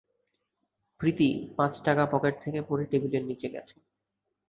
প্রীতি, পাঁচ টাকা পকেট থেকে পড়ে টেবিলের নিচে গেছে।